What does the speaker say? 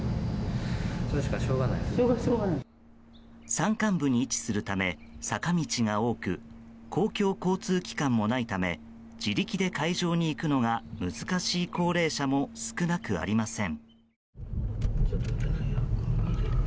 山間部に位置するため坂道が多く公共交通機関もないため自力で会場に行くのが難しい高齢者も少なくありません。